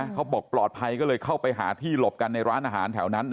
เขาบอกปลอดภัยก็เลยเข้าไปหาที่หลบกันในร้านอาหารแถวนั้น